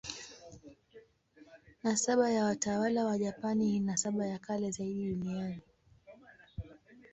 Nasaba ya watawala wa Japani ni nasaba ya kale zaidi duniani.